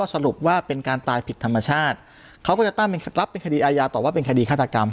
สรุปว่าเป็นการตายผิดธรรมชาติเขาก็จะตั้งรับเป็นคดีอาญาตอบว่าเป็นคดีฆาตกรรม